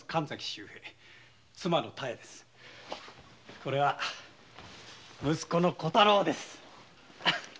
これは息子の小太郎です。